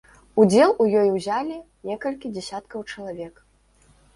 Удзел у ёй узялі некалькі дзясяткаў чалавек.